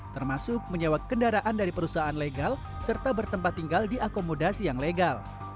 termasuk menyewat kendaraan dari perusahaan legal serta bertempat tinggal di akomodasi yang legal